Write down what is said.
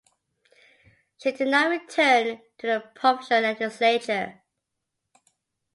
She did not return to the provincial legislature.